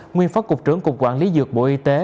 nguyên phó cục trưởng cục quản lý dược bộ y tế